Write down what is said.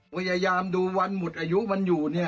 พยายามดูวันหมดอายุมันอยู่